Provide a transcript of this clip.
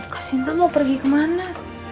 kasinta mau pergi kemana